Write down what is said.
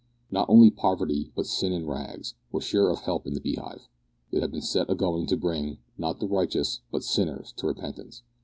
Not only poverty, but sin in rags, was sure of help in the Beehive. It had been set agoing to bring, not the righteous, but sinners, to repentance.